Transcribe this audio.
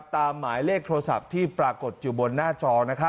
หมายเลขโทรศัพท์ที่ปรากฏอยู่บนหน้าจอ